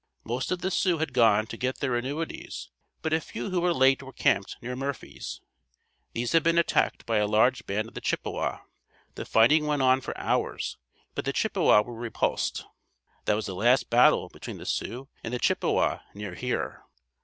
Most of the Sioux had gone to get their annuities but a few who were late were camped near Murphy's. These had been attacked by a large band of the Chippewa. The fighting went on for hours, but the Chippewa were repulsed. That was the last battle between the Sioux and the Chippewa near here.